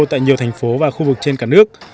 tại nhiều thành phố và khu vực trên cả nước